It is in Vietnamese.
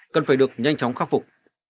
cần phải được nhanh chóng khắc phục